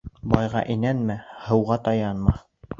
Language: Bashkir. Байға инанма, һыуға таянма.